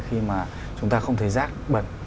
khi mà chúng ta không thấy rác bận